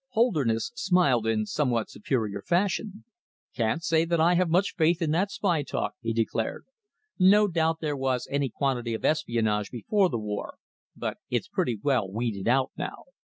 Holderness smiled in somewhat superior fashion. "Can't say that I have much faith in that spy talk," he declared. "No doubt there was any quantity of espionage before the war, but it's pretty well weeded out now.